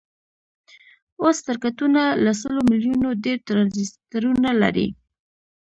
اوس سرکټونه له سلو میلیونو ډیر ټرانزیسټرونه لري.